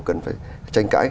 cần phải tranh cãi